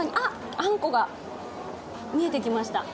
あんこが見えてきました。